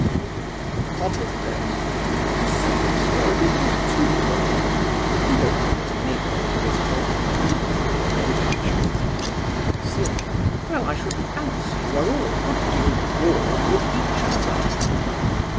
VIVIAN. Probably. Besides, you are a little too old. We don't admit anybody who is of the usual age. CYRIL. Well, I should fancy you are all a good deal bored with each other.